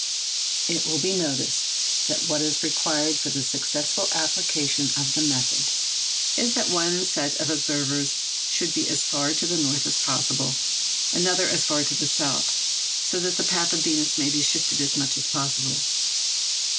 It will be noticed that what is required for the successful application of the method is that one set of observers should be as far to the north as possible, another as far to the south, so that the path of Venus may be shifted as much as possible.